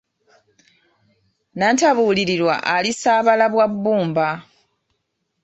Nnantabuulirirwa alisaabala bwa bbumba